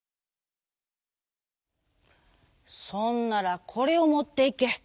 「そんならこれをもっていけ。